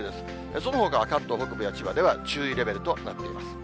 そのほかは関東北部や千葉では注意レベルとなっています。